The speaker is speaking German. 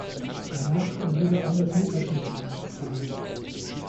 Danach würde ein Elfmeterschießen ausgetragen.